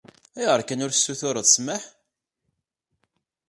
Ayɣer kan ur as-tessutureḍ ssmaḥ?